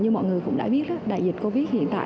như mọi người cũng đã biết đại dịch covid hiện tại